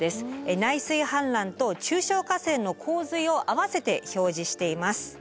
内水氾濫と中小河川の洪水を併せて表示しています。